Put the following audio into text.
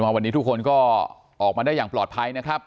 วันนี้ทุกคนก็ออกมาได้อย่างปลอดภัยนะครับ